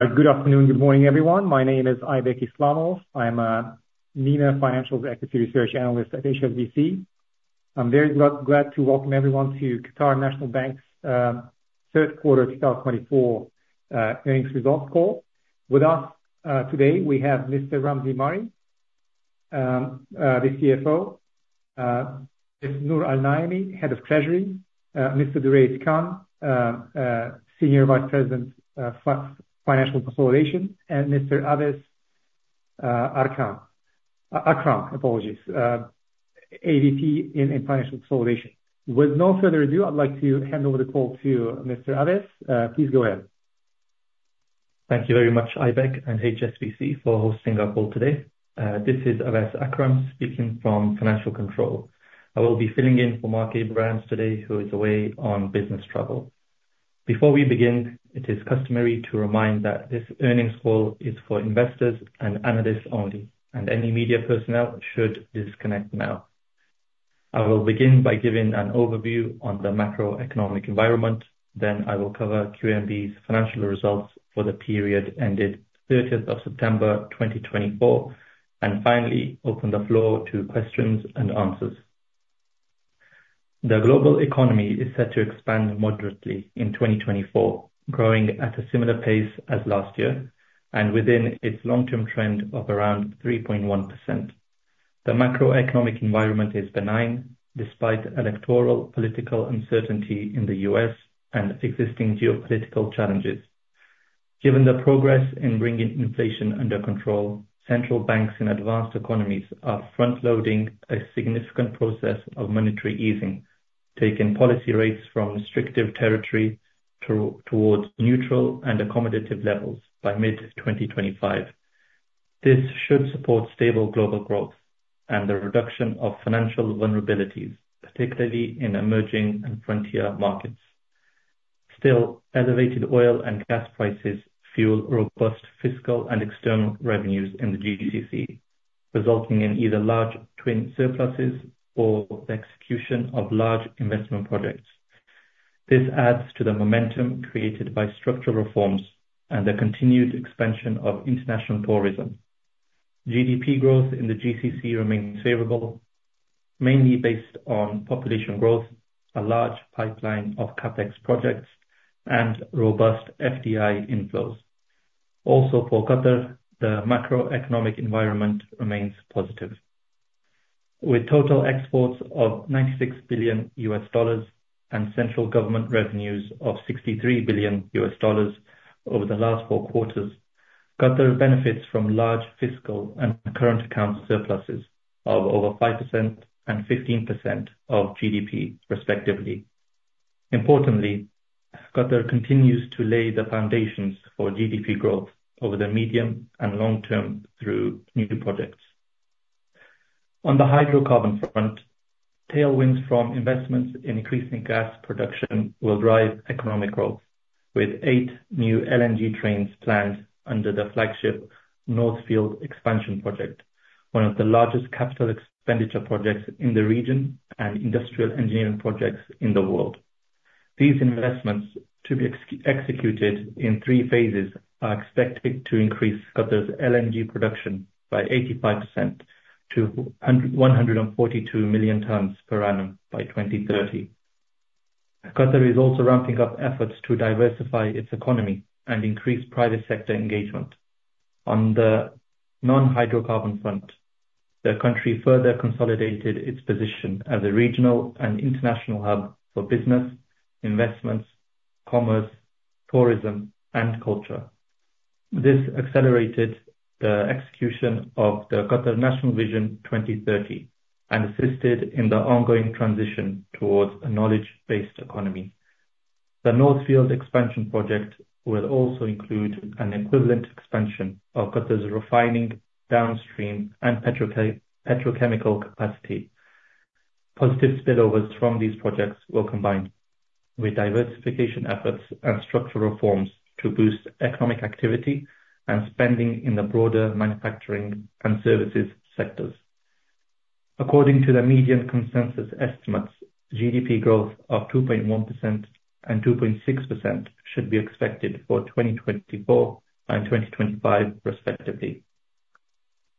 Good afternoon, good morning, everyone. My name is Aybek Islamov. I am a MENA Financials Equity Research Analyst at HSBC. I'm very glad, glad to welcome everyone to Qatar National Bank's Third Quarter of 2024 Earnings Results call. Today we have Mr. Ramzi Mari, the CFO, Mr. Noor Al-Naimi, Head of Treasury, Mr. Durraiz Khan, Senior Vice President, Financial Consolidation, and Mr. Awais Akram, apologies, AVP in Financial Consolidation. With no further ado, I'd like to hand over the call to Mr. Awais. Please go ahead. Thank you very much, Aybek and HSBC, for hosting our call today. This is Awais Akram, speaking from Financial Control. I will be filling in for Mark Abrahams today, who is away on business travel. Before we begin, it is customary to remind that this earnings call is for investors and analysts only, and any media personnel should disconnect now. I will begin by giving an overview on the macroeconomic environment, then I will cover QNB's financial results for the period ended 30th of September, 2024, and finally open the floor to questions and answers. The global economy is set to expand moderately in 2024, growing at a similar pace as last year and within its long-term trend of around 3.1%. The macroeconomic environment is benign, despite electoral political uncertainty in the U.S. and existing geopolitical challenges. Given the progress in bringing inflation under control, central banks in advanced economies are front-loading a significant process of monetary easing, taking policy rates from restrictive territory towards neutral and accommodative levels by mid-2025. This should support stable global growth and the reduction of financial vulnerabilities, particularly in emerging and frontier markets. Still, elevated oil and gas prices fuel robust fiscal and external revenues in the GCC, resulting in either large twin surpluses or the execution of large investment projects. This adds to the momentum created by structural reforms and the continued expansion of international tourism. GDP growth in the GCC remains favorable, mainly based on population growth, a large pipeline of CapEx projects, and robust FDI inflows. Also, for Qatar, the macroeconomic environment remains positive. With total exports of $96 billion and central government revenues of $63 billion over the last four quarters, Qatar benefits from large fiscal and current account surpluses of over 5% and 15% of GDP, respectively. Importantly, Qatar continues to lay the foundations for GDP growth over the medium and long term through new projects. On the hydrocarbon front, tailwinds from investments in increasing gas production will drive economic growth, with eight new LNG trains planned under the flagship North Field Expansion Project, one of the largest capital expenditure projects in the region and industrial engineering projects in the world. These investments, to be executed in three phases, are expected to increase Qatar's LNG production by 85% to 142 million tons per annum by 2030. Qatar is also ramping up efforts to diversify its economy and increase private sector engagement. On the non-hydrocarbon front, the country further consolidated its position as a regional and international hub for business, investments, commerce, tourism, and culture. This accelerated the execution of the Qatar National Vision 2030, and assisted in the ongoing transition towards a knowledge-based economy. The North Field Expansion Project will also include an equivalent expansion of Qatar's refining, downstream, and petrochemical capacity. Positive spillovers from these projects will combine with diversification efforts and structural reforms to boost economic activity and spending in the broader manufacturing and services sectors. According to the median consensus estimates, GDP growth of 2.1% and 2.6% should be expected for 2024 and 2025, respectively.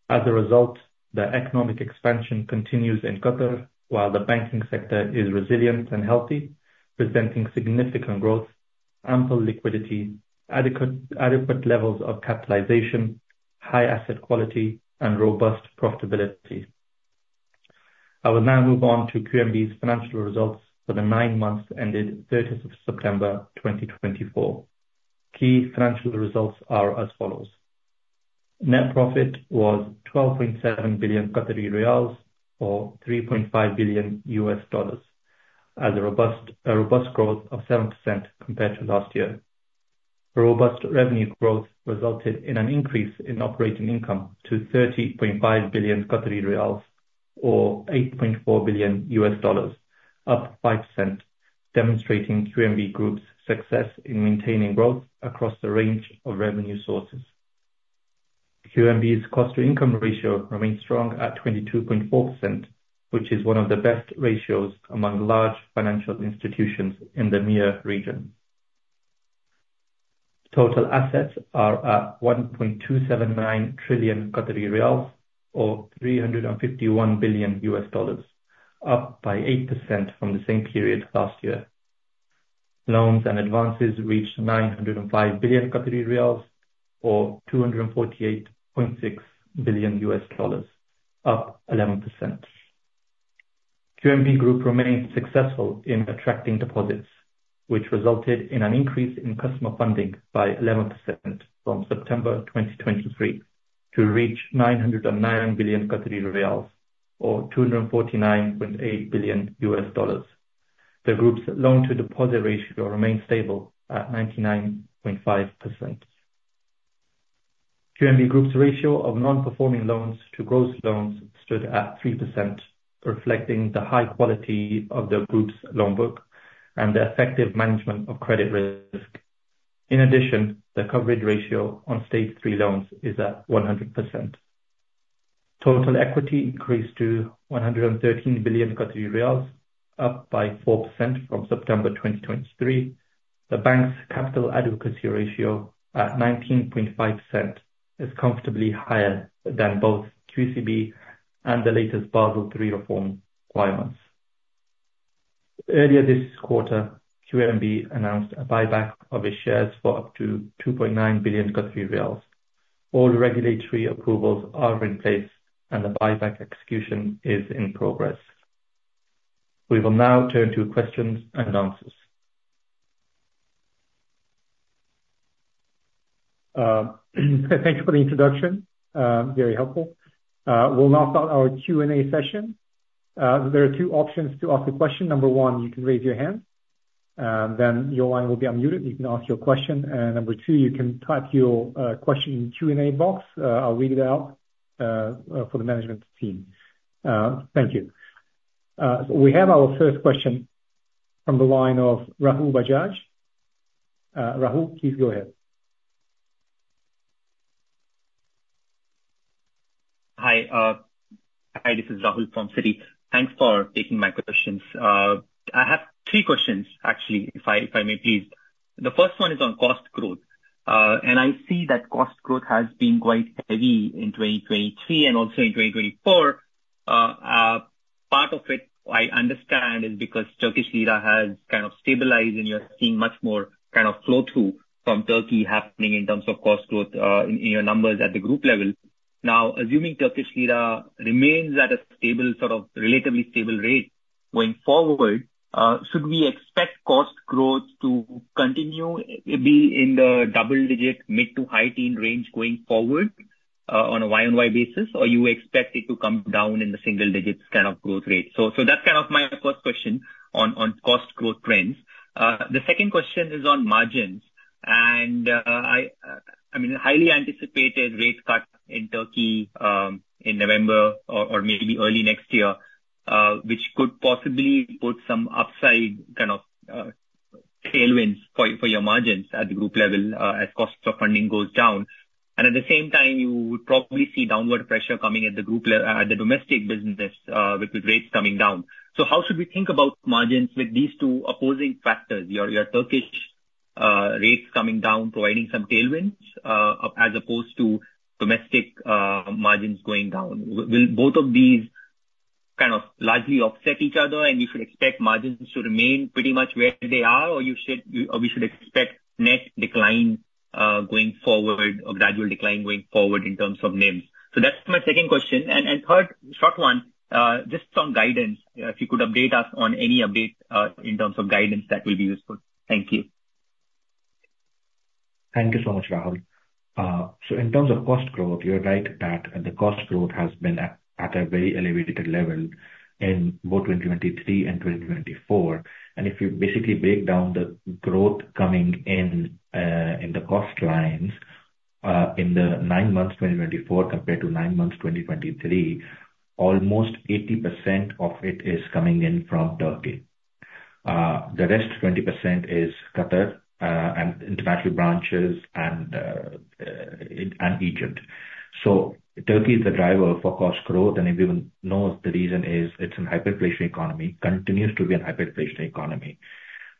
As a result, the economic expansion continues in Qatar, while the banking sector is resilient and healthy, presenting significant growth, ample liquidity, adequate levels of capitalization, high asset quality, and robust profitability. I will now move on to QNB's financial results for the nine months ended 30th of September, 2024. Key financial results are as follows: Net profit was 12.7 billion Qatari riyals, or $3.5 billion, as a robust growth of 7% compared to last year. Robust revenue growth resulted in an increase in operating income to 30.5 billion Qatari riyals, or $8.4 billion, up by 5%, demonstrating QNB Group's success in maintaining growth across a range of revenue sources.... QNB's cost-to-income ratio remains strong at 22.4%, which is one of the best ratios among large financial institutions in the MENA region. Total assets are at 1.279 trillion Qatari riyals, or $351 billion, up by 8% from the same period last year. Loans and advances reached 905 billion Qatari riyals or $248.6 billion, up eleven percent. QNB Group remained successful in attracting deposits, which resulted in an increase in customer funding by eleven percent from September 2023, to reach 909 billion Qatari riyals, or $249.8 billion. The group's loan-to-deposit ratio remains stable at 99.5%. QNB Group's ratio of non-performing loans to gross loans stood at 3%, reflecting the high quality of the group's loan book and the effective management of credit risk. In addition, the coverage ratio on Stage 3 loans is at 100%. Total equity increased to 113 billion Qatari riyals, up by 4% from September 2023. The bank's capital adequacy ratio, at 19.5%, is comfortably higher than both QCB and the latest Basel III reform requirements. Earlier this quarter, QNB announced a buyback of its shares for up to 2.9 billion Qatari riyals. All regulatory approvals are in place, and the buyback execution is in progress. We will now turn to questions and answers. Thank you for the introduction. Very helpful. We'll now start our Q&A session. There are two options to ask a question. Number one, you can raise your hand, and then your line will be unmuted, you can ask your question. And number two, you can type your question in the Q&A box, I'll read it out for the management team. Thank you. We have our first question from the line of Rahul Bajaj. Rahul, please go ahead. Hi, hi, this is Rahul from Citi. Thanks for taking my questions. I have three questions, actually, if I may please. The first one is on cost growth, and I see that cost growth has been quite heavy in 2023 and also in 2024. Part of it, I understand, is because Turkish lira has kind of stabilized, and you're seeing much more kind of flow-through from Turkey happening in terms of cost growth, in your numbers at the group level. Now, assuming Turkish lira remains at a stable, sort of, relatively stable rate going forward, should we expect cost growth to continue, be in the double digit mid to high teen range going forward, on a YOY basis? Or you expect it to come down in the single digits kind of growth rate? So that's kind of my first question on cost growth trends. The second question is on margins, and I mean, highly anticipated rate cut in Turkey in November or maybe early next year, which could possibly put some upside kind of tailwinds for your margins at the group level, as costs of funding goes down. And at the same time, you would probably see downward pressure coming at the domestic businesses with the rates coming down. So how should we think about margins with these two opposing factors, your Turkish rates coming down, providing some tailwinds, as opposed to domestic margins going down? Will both of these kind of largely offset each other, and we should expect margins to remain pretty much where they are, or you should - or we should expect next decline, going forward, or gradual decline going forward in terms of NIMs? So that's my second question. And third, short one, just on guidance, if you could update us on any updates, in terms of guidance, that will be useful. Thank you. Thank you so much, Rahul. So in terms of cost growth, you're right that the cost growth has been at a very elevated level in both 2023 and 2024. And if you basically break down the growth coming in in the cost lines in the nine months 2024 compared to nine months in 2023, almost 80% of it is coming in from Turkey. The rest, 20% is Qatar and international branches and Egypt. So Turkey is the driver for cost growth, and everyone knows the reason is it's a hyperinflation economy, continues to be a hyperinflation economy.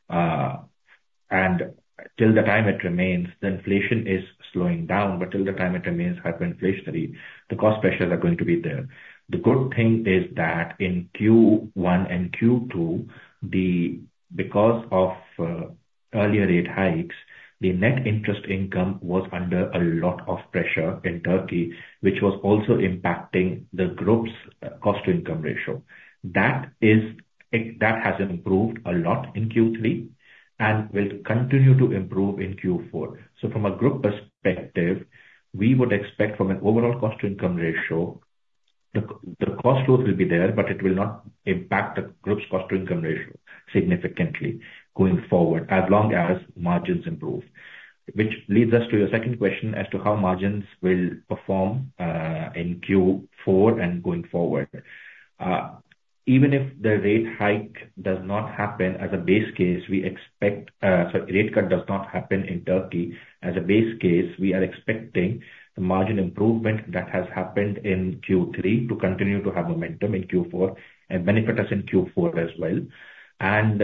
And till the time it remains, the inflation is slowing down, but till the time it remains hyperinflationary, the cost pressures are going to be there. The good thing is that in Q1 and Q2, because of earlier rate hikes, the net interest income was under a lot of pressure in Turkey, which was also impacting the group's cost to income ratio. That is, that has improved a lot in Q3, and will continue to improve in Q4. So from a group perspective, we would expect from an overall cost to income ratio, the cost growth will be there, but it will not impact the group's cost to income ratio significantly going forward, as long as margins improve. Which leads us to your second question as to how margins will perform in Q4 and going forward. Even if the rate hike does not happen as a base case, we expect, so rate cut does not happen in Turkey. As a base case, we are expecting the margin improvement that has happened in Q3 to continue to have momentum in Q4 and benefit us in Q4 as well. And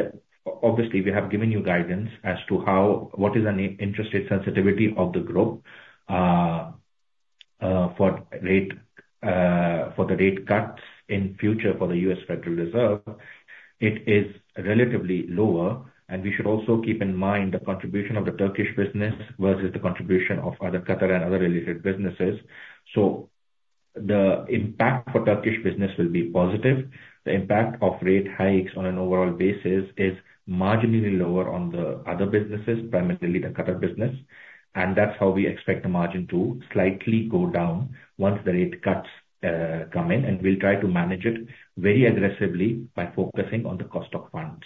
obviously, we have given you guidance as to how, what is an interest rate sensitivity of the group, for rate, for the rate cuts in future for the U.S. Federal Reserve, it is relatively lower, and we should also keep in mind the contribution of the Turkish business versus the contribution of other Qatar and other related businesses. So the impact for Turkish business will be positive. The impact of rate hikes on an overall basis is marginally lower on the other businesses, primarily the Qatar business, and that's how we expect the margin to slightly go down once the rate cuts come in, and we'll try to manage it very aggressively by focusing on the cost of funds.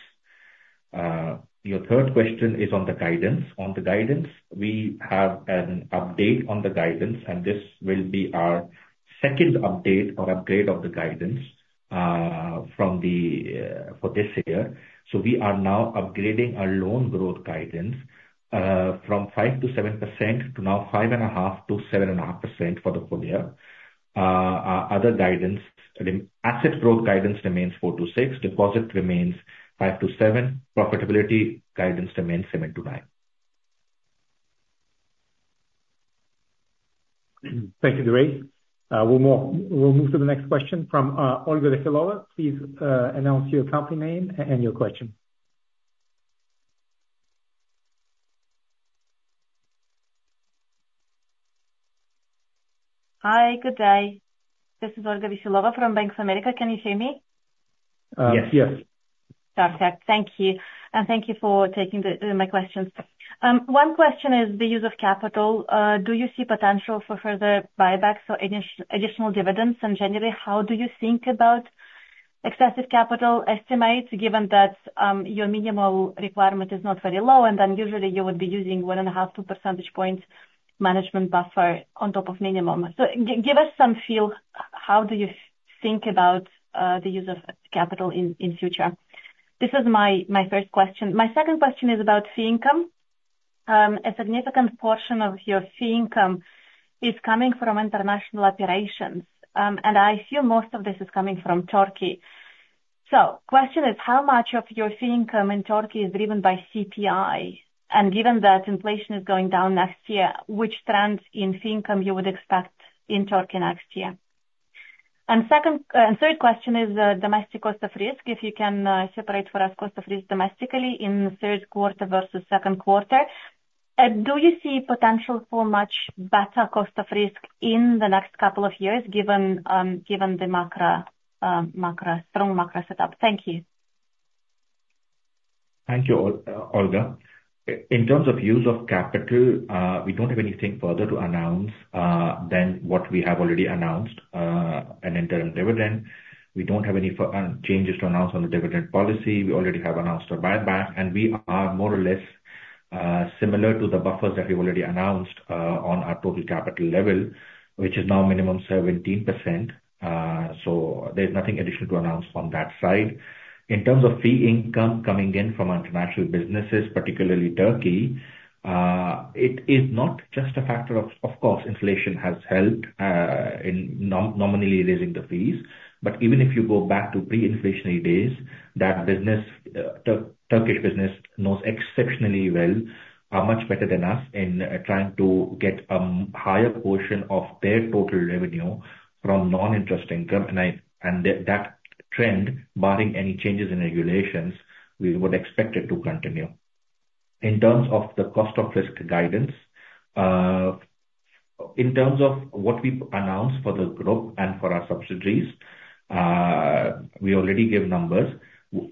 Your third question is on the guidance. On the guidance, we have an update on the guidance, and this will be our second update or upgrade of the guidance from the for this year. So we are now upgrading our loan growth guidance from 5%-7% to now 5.5%-7.5% for the full year. Our other guidance, the asset growth guidance remains 4-6, deposit remains 5-7, profitability guidance remains 7-9. Thank you, Dre. We'll move to the next question from Olga Veselova. Please, announce your company name and your question. Hi, good day. This is Olga Veselova from Bank of America. Can you hear me? Yes. Yes. Yes. Perfect. Thank you, and thank you for taking my questions. One question is the use of capital. Do you see potential for further buybacks or additional dividends? And generally, how do you think about excessive capital estimates, given that your minimum requirement is not very low, and then usually you would be using 1.5 percentage points management buffer on top of minimum? So give us some feel, how do you think about the use of capital in future? This is my first question. My second question is about fee income. A significant portion of your fee income is coming from international operations, and I assume most of this is coming from Turkey. So question is, how much of your fee income in Turkey is driven by CPI? And given that inflation is going down next year, which trends in fee income you would expect in Turkey next year? And second, and third question is, domestic cost of risk, if you can, separate for us cost of risk domestically in the third quarter versus second quarter. Do you see potential for much better cost of risk in the next couple of years, given, given the macro, macro, strong macro setup? Thank you. Thank you, Olga. In terms of use of capital, we don't have anything further to announce than what we have already announced, an interim dividend. We don't have any further changes to announce on the dividend policy. We already have announced a buyback, and we are more or less similar to the buffers that we've already announced on our total capital level, which is now minimum 17%. So there's nothing additional to announce on that side. In terms of fee income coming in from international businesses, particularly Turkey, it is not just a factor of... Of course, inflation has helped in nominally raising the fees. But even if you go back to pre-inflationary days, that business, Turkish business knows exceptionally well, much better than us in, trying to get a higher portion of their total revenue from non-interest income, and that trend, barring any changes in regulations, we would expect it to continue. In terms of the cost of risk guidance, in terms of what we've announced for the group and for our subsidiaries, we already gave numbers.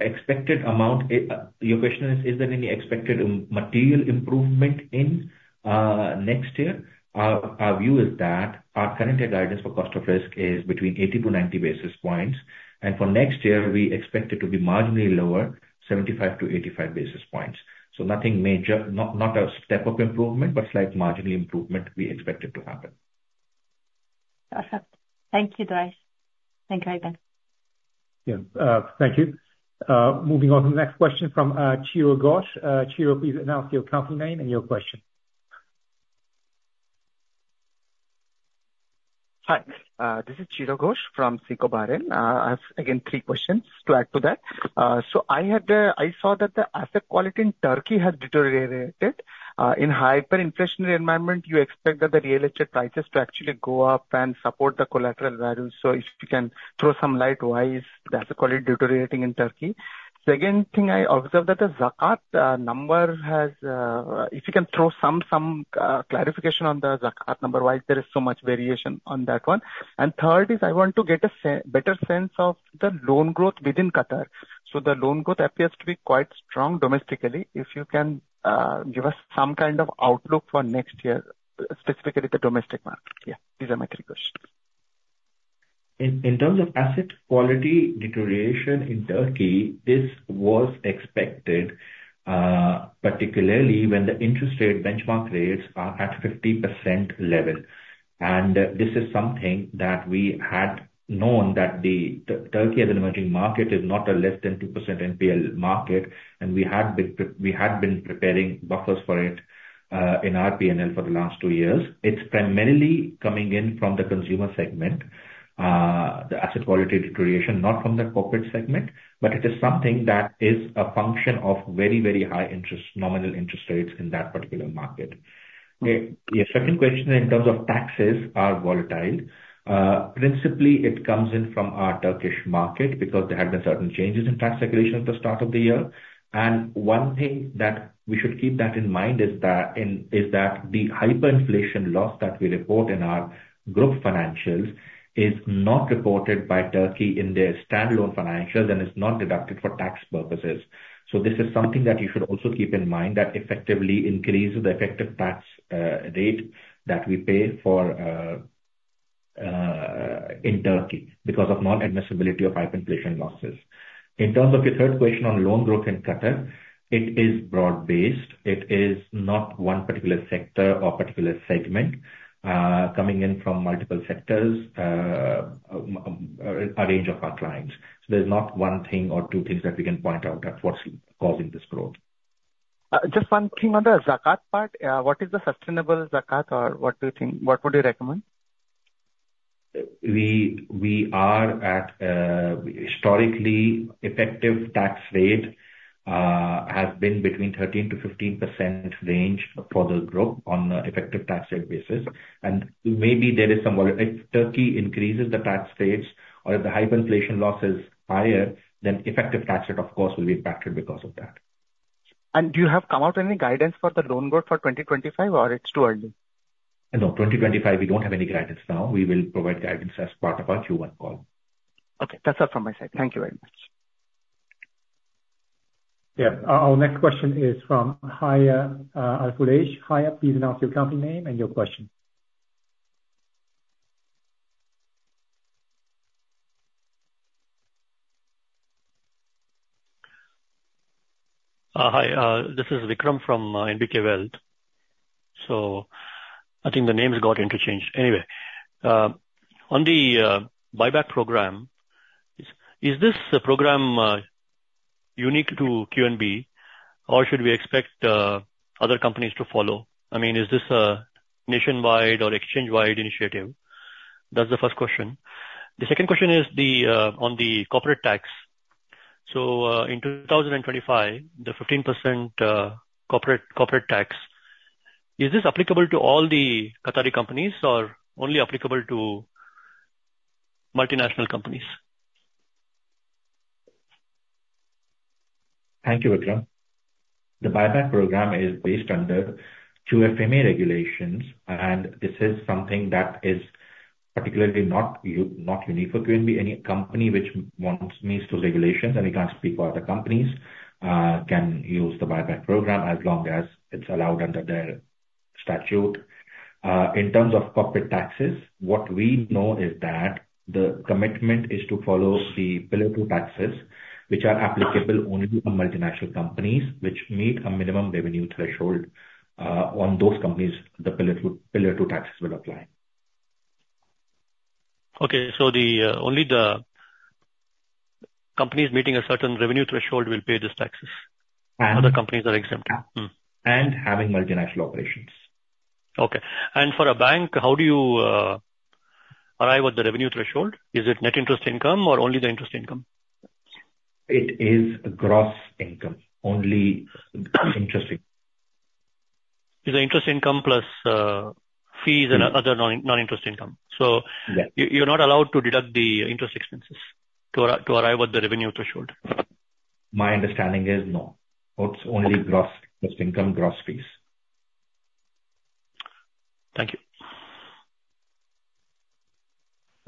Expected amount, your question is, is there any expected material improvement in next year? Our view is that our current year guidance for cost of risk is between 80-90 basis points, and for next year, we expect it to be marginally lower, 75-85 basis points. Nothing major, not a step-up improvement, but slight marginal improvement we expect it to happen. Perfect. Thank you, Dre. Thank you again. Yeah, thank you. Moving on to the next question from Chiro Ghosh. Chiro, please announce your company name and your question. Hi, this is Chiro Ghosh from SICO Bahrain. I have, again, three questions to add to that. I saw that the asset quality in Turkey has deteriorated. In hyperinflationary environment, you expect that the real estate prices to actually go up and support the collateral values. If you can throw some light why is the asset quality deteriorating in Turkey? Second thing I observed that the Zakat number has, if you can throw some clarification on the Zakat number, why there is so much variation on that one? And third is, I want to get a better sense of the loan growth within Qatar. The loan growth appears to be quite strong domestically. If you can give us some kind of outlook for next year, specifically the domestic market. Yeah, these are my three questions. In terms of asset quality deterioration in Turkey, this was expected, particularly when the interest rate benchmark rates are at 50% level. And this is something that we had known that the Turkey as an emerging market is not a less than 2% NPL market, and we had been preparing buffers for it in our PNL for the last two years. It's primarily coming in from the consumer segment, the asset quality deterioration, not from the corporate segment, but it is something that is a function of very, very high interest nominal interest rates in that particular market. Your second question in terms of taxes are volatile. Principally, it comes in from our Turkish market because there have been certain changes in tax regulation at the start of the year. One thing that we should keep in mind is that the hyperinflation loss that we report in our group financials is not reported by Turkey in their standalone financials, and it's not deducted for tax purposes. So this is something that you should also keep in mind, that effectively increases the effective tax rate that we pay for in Turkey, because of non-admissibility of hyperinflation losses. In terms of your third question on loan growth in Qatar, it is broad-based. It is not one particular sector or particular segment coming in from multiple sectors, a range of our clients. So there's not one thing or two things that we can point out that's what's causing this growth. Just one thing on the Zakat part. What is the sustainable Zakat, or what do you think? What would you recommend? We are at historically effective tax rate has been between 13% to 15% range for the group on an effective tax rate basis, and maybe there is some more. If Turkey increases the tax rates or if the hyperinflation loss is higher, then effective tax rate, of course, will be impacted because of that. Have you come out with any guidance for the loan growth for 2025, or is it too early? No, 2025, we don't have any guidance now. We will provide guidance as part of our Q1 call. Okay. That's all from my side. Thank you very much. Yeah. Our next question is from Hayar Alqulesh. Hayar, please announce your company name and your question. Hi, this is Vikram from NBK Wealth. So I think the names got interchanged. Anyway, on the buyback program, is this a program unique to QNB, or should we expect other companies to follow? I mean, is this a nationwide or exchange-wide initiative? That's the first question. The second question is on the corporate tax. So, in two thousand and twenty-five, the 15% corporate tax, is this applicable to all the Qatari companies or only applicable to multinational companies? Thank you, Vikram. The buyback program is based under QFMA regulations, and this is something that is particularly not unique for QNB. Any company which wants meets those regulations, and we can't speak for other companies, can use the buyback program as long as it's allowed under their statute. In terms of corporate taxes, what we know is that the commitment is to follow the Pillar Two taxes, which are applicable only to the multinational companies, which meet a minimum revenue threshold. On those companies, the Pillar Two, Pillar Two taxes will apply. Okay, so only the companies meeting a certain revenue threshold will pay these taxes. Other companies are exempted? And having multinational operations. Okay. And for a bank, how do you arrive at the revenue threshold? Is it net interest income or only the interest income? It is gross income, only interest income. Is the interest income plus, fees and other non-interest income? Yeah. So you, you're not allowed to deduct the interest expenses to arrive at the revenue threshold? My understanding is no. It's only gross, just income, gross fees. Thank you.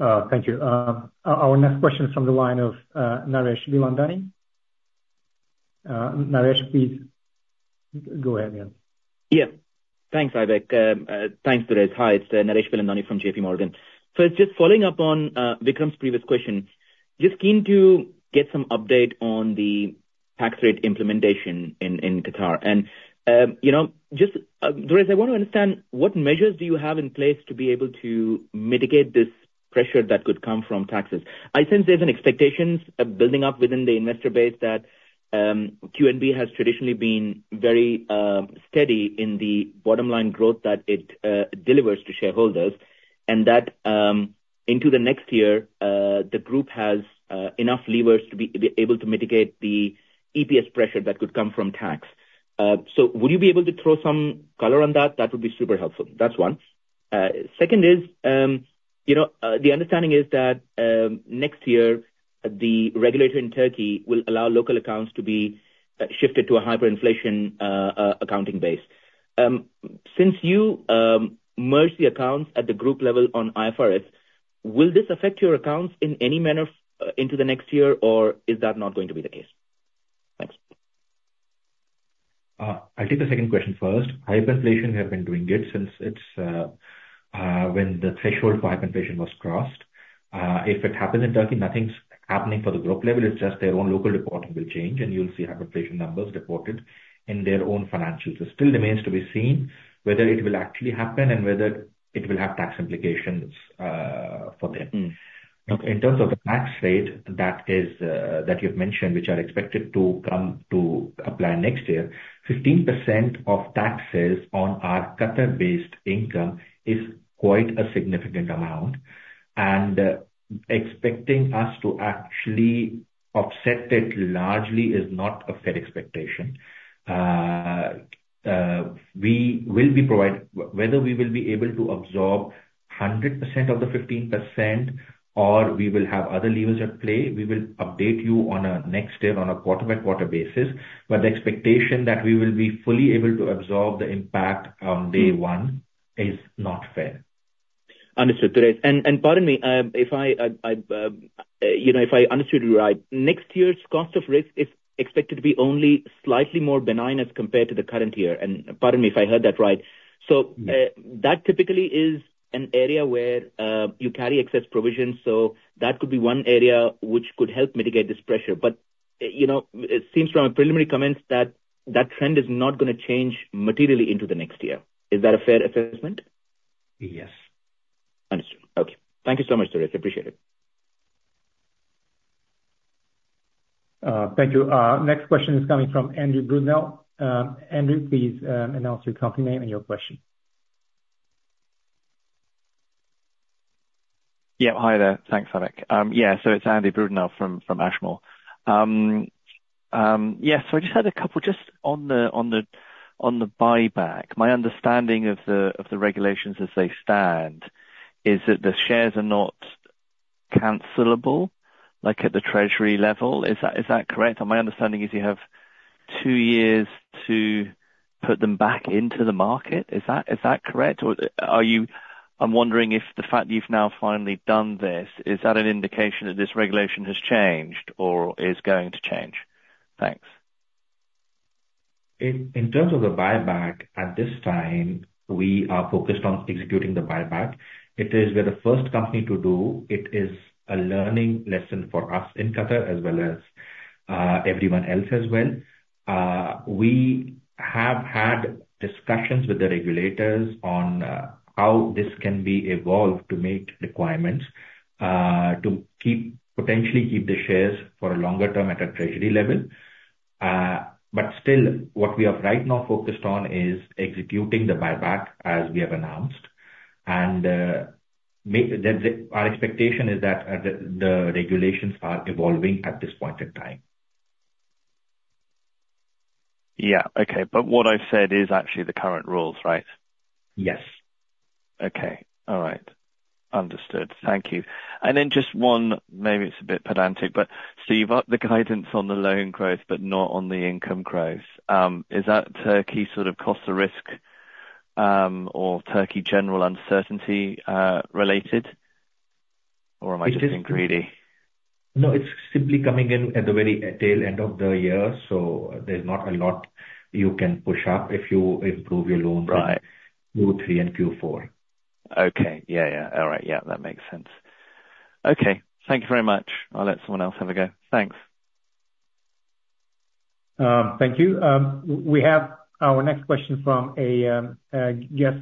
Thank you. Our next question is from the line of Naresh Bilandani. Naresh, please go ahead, yeah. Yeah. Thanks, Aybek. Thanks, Naresh. Hi, it's Naresh Bilandani from JPMorgan. So just following up on Vikram's previous question, just keen to get some update on the tax rate implementation in Qatar, and you know, just Naresh, I want to understand, what measures do you have in place to be able to mitigate this pressure that could come from taxes? I sense there's an expectations building up within the investor base that QNB has traditionally been very steady in the bottom line growth that it delivers to shareholders, and that into the next year the group has enough levers to be able to mitigate the EPS pressure that could come from tax. So will you be able to throw some color on that? That would be super helpful. That's one. Second is, you know, the understanding is that, next year, the regulator in Turkey will allow local accounts to be shifted to a hyperinflation accounting base. Since you merged the accounts at the group level on IFRS, will this affect your accounts in any manner into the next year, or is that not going to be the case? Thanks. I'll take the second question first. Hyperinflation, we have been doing it since it's when the threshold for hyperinflation was crossed. If it happens in Turkey, nothing's happening for the group level, it's just their own local reporting will change, and you'll see aggregation numbers reported in their own financials. It still remains to be seen whether it will actually happen and whether it will have tax implications for them. In terms of the tax rate, that is, that you've mentioned, which are expected to come to apply next year, 15% of taxes on our Qatar-based income is quite a significant amount, and expecting us to actually offset it largely is not a fair expectation. Whether we will be able to absorb 100% of the 15%, or we will have other levers at play, we will update you on a next year on a quarter by quarter basis, but the expectation that we will be fully able to absorb the impact on day one is not fair. Understood, Durraiz. And pardon me, you know, if I understood you right, next year's cost of risk is expected to be only slightly more benign as compared to the current year, and pardon me if I heard that right. That typically is an area where you carry excess provisions, so that could be one area which could help mitigate this pressure. But, you know, it seems from your preliminary comments that that trend is not gonna change materially into the next year. Is that a fair assessment? Yes. Understood. Okay. Thank you so much, Durraiz. Appreciate it. Thank you. Next question is coming from Andrew Brudenell. Andrew, please, announce your company name and your question. Yeah, hi there. Thanks, Aybek. Yeah, so it's Andrew Brudenell from Ashmore. Yeah, so I just had a couple, just on the buyback. My understanding of the regulations as they stand is that the shares are not cancelable, like at the treasury level. Is that correct? My understanding is you have two years to put them back into the market. Is that correct? Or, are you... I'm wondering if the fact that you've now finally done this is that an indication that this regulation has changed or is going to change? Thanks. In terms of the buyback, at this time, we are focused on executing the buyback. It is. We're the first company to do it. It is a learning lesson for us in Qatar as well as everyone else as well. We have had discussions with the regulators on how this can be evolved to meet requirements to potentially keep the shares for a longer term at a treasury level, but still, what we are right now focused on is executing the buyback as we have announced, and our expectation is that the regulations are evolving at this point in time. Yeah. Okay. But what I've said is actually the current rules, right? Yes. Okay. All right. Understood. Thank you. And then just one... maybe it's a bit pedantic, but so you've got the guidance on the loan growth, but not on the income growth. Is that Turkey sort of cost of risk, or Turkey general uncertainty related? Or am I just being greedy? No, it's simply coming in at the very tail end of the year, so there's not a lot you can push up if you improve your loans- Right. Q3 and Q4. Okay. Yeah, yeah. All right. Yeah, that makes sense. Okay. Thank you very much. I'll let someone else have a go. Thanks. Thank you. We have our next question from a, yes,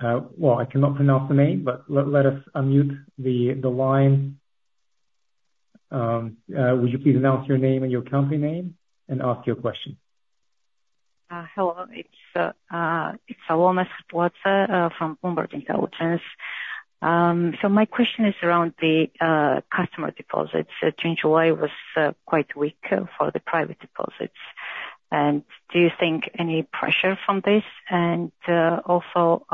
well, I cannot pronounce the name, but let us unmute the line. Would you please announce your name and your company name and ask your question? Hello, it's Alina Sazonova from Bloomberg Intelligence. My question is around the customer deposits. In Q1, why was quite weak for the private deposits. And do you think any pressure from this? And also,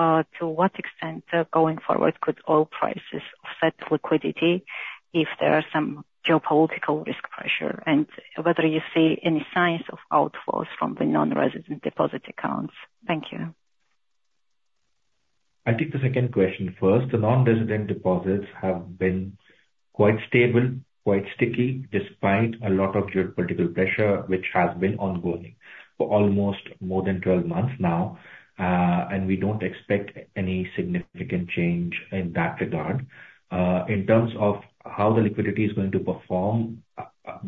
to what extent going forward could oil prices offset liquidity if there are some geopolitical risk pressure? And whether you see any signs of outflows from the non-resident deposit accounts. Thank you. I'll take the second question first. The non-resident deposits have been quite stable, quite sticky, despite a lot of geopolitical pressure, which has been ongoing for almost more than 12 months now, and we don't expect any significant change in that regard. In terms of how the liquidity is going to perform,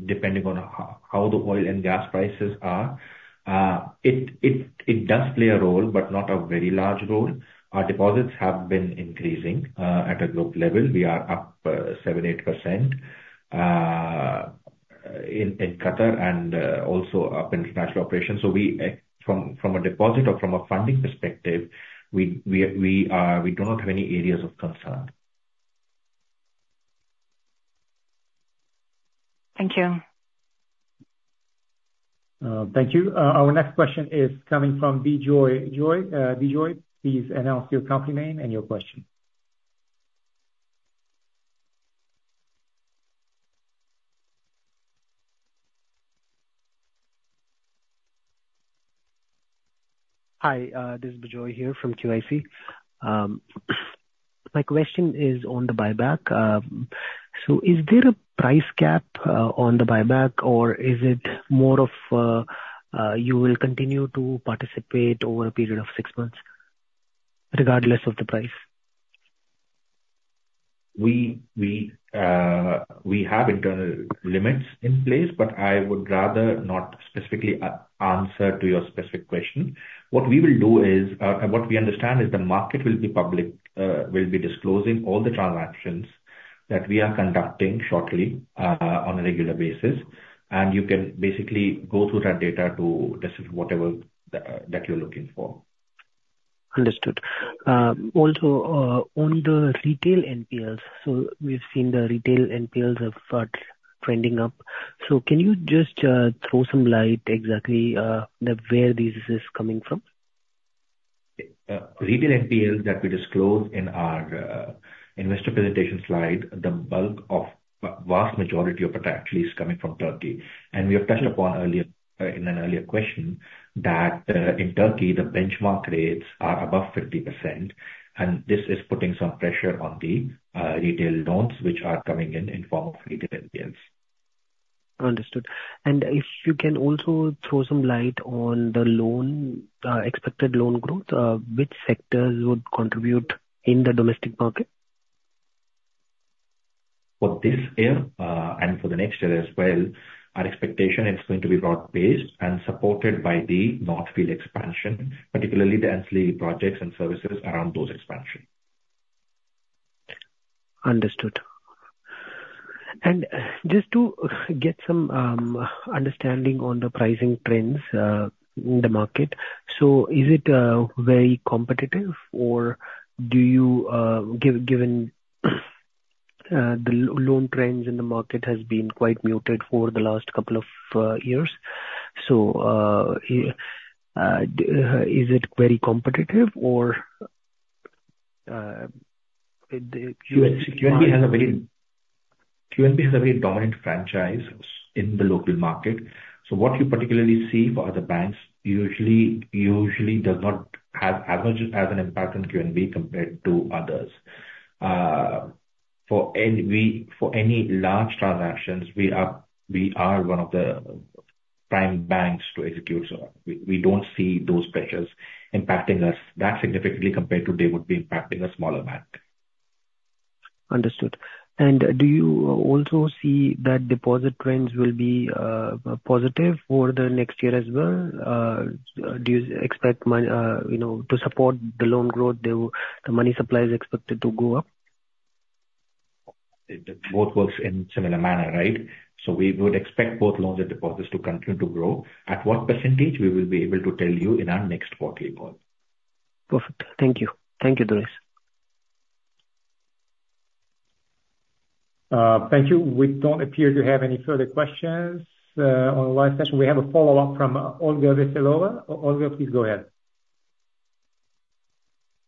depending on how the oil and gas prices are, it does play a role, but not a very large role. Our deposits have been increasing at a group level. We are up 7-8% in Qatar and also up in international operations. So, from a deposit or from a funding perspective, we do not have any areas of concern. Thank you. Thank you. Our next question is coming from Bijoy Joy. Bijoy, please announce your company name and your question. Hi, this is Bijoy here from QIC. My question is on the buyback: is there a price cap on the buyback, or is it more of you will continue to participate over a period of six months, regardless of the price? We have internal limits in place, but I would rather not specifically answer to your specific question. What we will do is, what we understand is the market will be public, we'll be disclosing all the transactions that we are conducting shortly, on a regular basis, and you can basically go through that data to decide whatever that you're looking for. Understood. Also, on the retail NPLs, so we've seen the retail NPLs have start trending up. So can you just throw some light exactly where this is coming from? Retail NPLs that we disclosed in our investor presentation slide, the bulk of vast majority of it actually is coming from Turkey. We have touched upon earlier in an earlier question that in Turkey the benchmark rates are above 50%, and this is putting some pressure on the retail loans which are coming in in form of retail NPLs. Understood. And if you can also throw some light on the loan expected loan growth, which sectors would contribute in the domestic market? For this year, and for the next year as well, our expectation is going to be broad-based and supported by the North Field Expansion, particularly the ancillary projects and services around those expansion. Understood. And just to get some understanding on the pricing trends in the market, so is it very competitive or do you, given the loan trends in the market has been quite muted for the last couple of years. So is it very competitive or the. QNB has a very dominant franchise in the local market, so what you particularly see for other banks usually does not have as much of an impact on QNB compared to others. For any large transactions, we are one of the prime banks to execute, so we don't see those pressures impacting us that significantly compared to they would be impacting a smaller bank. Understood. And do you also see that deposit trends will be positive for the next year as well? Do you expect, you know, to support the loan growth, the money supply is expected to go up? It both works in similar manner, right? So we would expect both loans and deposits to continue to grow. At what percentage, we will be able to tell you in our next quarterly call. Perfect. Thank you. Thank you, Durraiz. Thank you. We don't appear to have any further questions on the line session. We have a follow-up from Olga Veselova. Olga, please go ahead.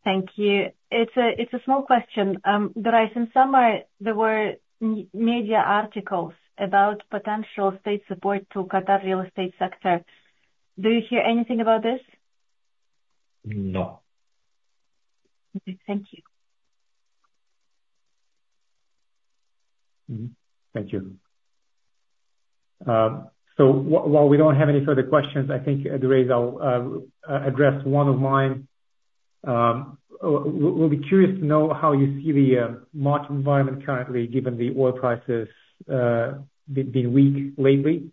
Thank you. It's a small question. Durraiz, in summer, there were media articles about potential state support to Qatar real estate sector. Do you hear anything about this? No. Okay. Thank you. Mm-hmm. Thank you. So while we don't have any further questions, I think, Durraiz, I'll address one of mine. We'll be curious to know how you see the market environment currently, given the oil prices being weak lately.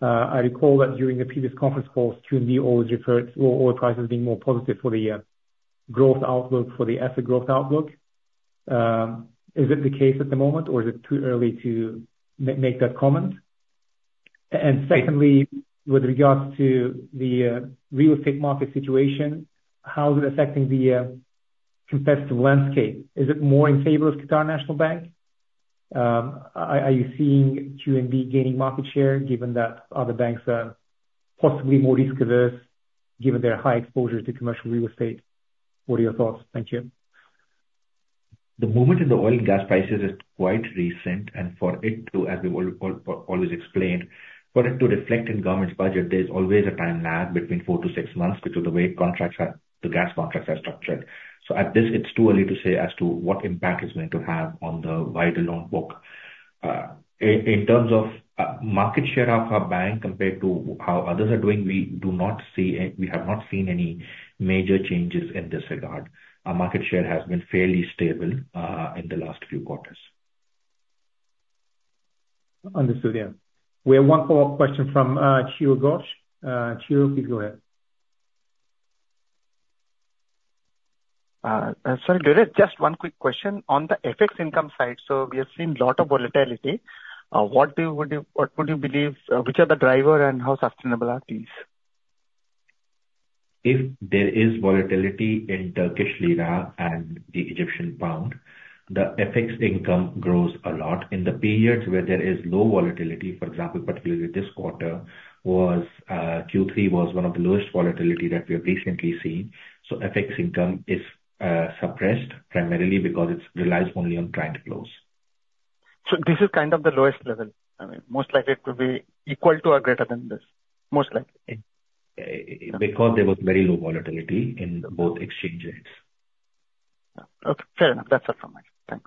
I recall that during the previous conference calls, QNB always referred to oil, oil prices being more positive for the growth outlook, for the asset growth outlook. Is it the case at the moment, or is it too early to make that comment? And secondly, with regards to the real estate market situation, how is it affecting the competitive landscape? Is it more in favor of Qatar National Bank? Are you seeing QNB gaining market share, given that other banks are possibly more risk-averse, given their high exposure to commercial real estate? What are your thoughts? Thank you. The movement in the oil and gas prices is quite recent, and for it to, as we always explained, for it to reflect in government's budget, there is always a time lag between four to six months due to the way contracts are, the gas contracts are structured. So at this, it's too early to say as to what impact it's going to have on the wider loan book. In terms of market share of our bank compared to how others are doing, we do not see any. We have not seen any major changes in this regard. Our market share has been fairly stable in the last few quarters. Understood. Yeah. We have one follow-up question from Chiro Ghosh. Chiro, please go ahead. So, Durraiz, just one quick question. On the FX income side, so we have seen a lot of volatility. What would you believe are the drivers and how sustainable are these? If there is volatility in Turkish lira and the Egyptian pound, the FX income grows a lot. In the periods where there is low volatility, for example, particularly this quarter, Q3 was one of the lowest volatility that we have recently seen. So FX income is suppressed primarily because it relies only on client flows. So this is kind of the lowest level? I mean, most likely it could be equal to or greater than this, most likely. Because there was very low volatility in both exchanges. Yeah. Okay, fair enough. That's all from me. Thank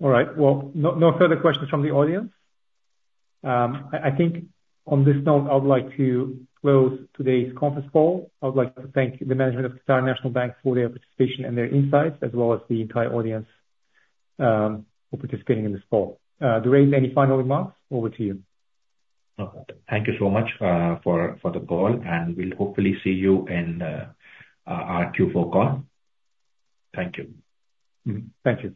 you. All right. Well, no further questions from the audience. I think on this note, I would like to close today's conference call. I would like to thank the management of Qatar National Bank for their participation and their insights, as well as the entire audience, for participating in this call. Durraiz, any final remarks? Over to you. Thank you so much for the call, and we'll hopefully see you in our Q4 call. Thank you. Mm-hmm. Thank you.